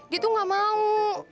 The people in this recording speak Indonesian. dia tuh gak mau